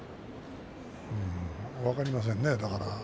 分かりませんね、だから。